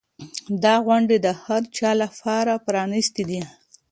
دا غونډې د هر چا لپاره پرانیستې دي.